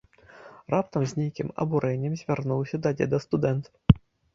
Раптам з нейкім абурэннем звярнуўся да дзеда студэнт.